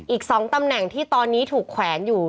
อีก๒ตำแหน่งที่ตอนนี้ถูกแขวนอยู่